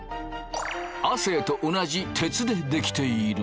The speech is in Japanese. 亜生と同じ鉄で出来ている。